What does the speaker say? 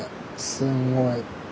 すんごい。